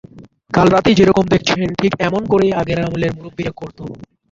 কাল রাতে যেই রকম দেখছেন, ঠিক এমন করে আগের আমলের মুরব্বিরা করত।